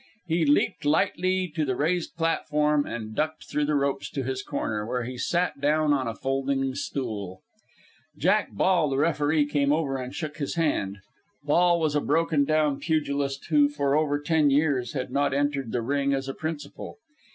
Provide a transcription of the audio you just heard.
He leaped lightly to the raised platform and ducked through the ropes to his corner, where he sat down on a folding stool. Jack Ball, the referee, came over and shook his hand. Ball was a broken down pugilist who for over ten years had not entered the ring as a principal.